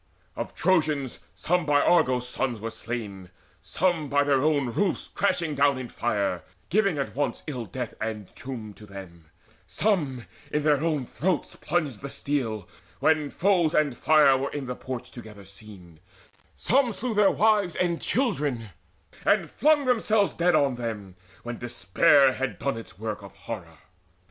Of Trojans some by Argos' sons were slain, Some by their own roofs crashing down in fire, Giving at once in death and tomb to them: Some in their own throats plunged the steel, when foes And fire were in the porch together seen: Some slew their wives and children, and flung themselves Dead on them, when despair had done its work Of horror.